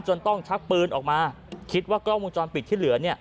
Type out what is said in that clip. ต้องชักปืนออกมาคิดว่ากล้องวงจรปิดที่เหลือเนี่ย